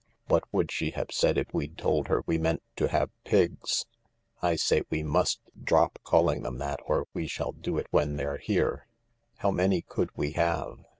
What would she have said if we'd told her we meant to have Pigs? — I say, we must drop calling them that or we shall do it when they're here. How many could we have